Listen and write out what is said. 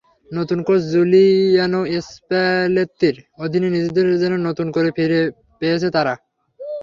নতুন coach Giuliano স্প্যালেত্তির অধীনে নিজেদের যেন নতুন করে ফিরে পেয়েছে তারা।